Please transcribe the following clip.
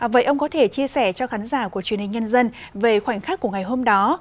vậy ông có thể chia sẻ cho khán giả của truyền hình nhân dân về khoảnh khắc của ngày hôm đó